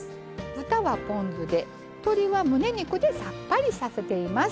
豚はポン酢で鶏はむね肉でさっぱりさせています。